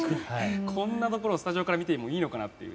こんなところをスタジオから見ていいのかなと。